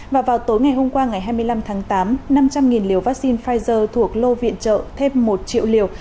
và vào tối ngày hôm qua ngày hai mươi năm tháng tám năm trăm linh liều vaccine pfizer thuộc lô viện trợ thêm một triệu liều